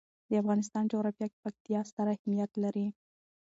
د افغانستان جغرافیه کې پکتیا ستر اهمیت لري.